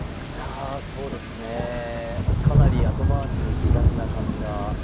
そうですねぇかなり後回しにしがちな感じがありますね。